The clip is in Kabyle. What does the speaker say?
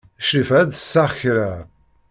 Crifa ad d-tseɣ kra.